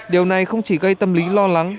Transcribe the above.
điều này không chỉ gây tâm lý lo lắng